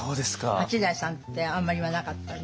八大さんってあまり言わなかったみたい。